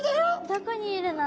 どこにいるの？